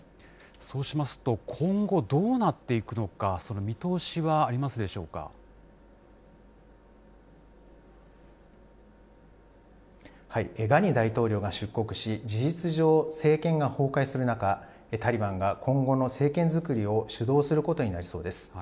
そうしますと、今後、どうなっていくのか、その見通しはありガニ大統領が出国し、事実上、政権が崩壊する中、タリバンは今後の政権作りを主導することになりそうです。